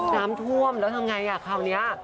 น้ำท่วมแล้วทำไงคราวนี้